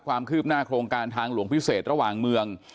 ความคืบหน้าโครงการทางหลวงพิเศษระหว่างเมือง